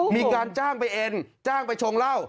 มีการจ้างไปเอ็นจ้างไปชงเหล้า